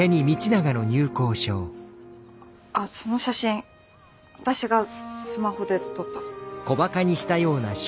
あっその写真私がスマホで撮ったの。